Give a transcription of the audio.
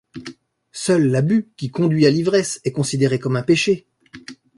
Seul l'abus qui conduit à l'ivresse est considéré comme un péché.